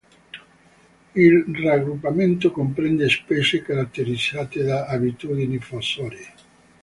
Il raggruppamento comprende specie caratterizzate da abitudini fossorie.